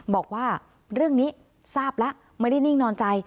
บอกว่าเรื่องนี้ทราบแล้วไม่ได้นิ่งนอนใจ